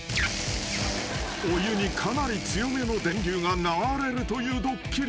［お湯にかなり強めの電流が流れるというドッキリ］